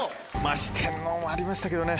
四天王もありましたけどね。